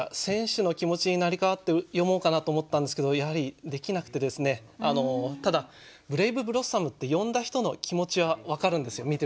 選手の気持ちに成り代わって詠もうかなと思ったんですけどやはりできなくてただ「ブレイブブロッサム」って呼んだ人の気持ちは分かるんですよ